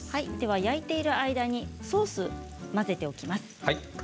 焼いている間にソースを混ぜておきます。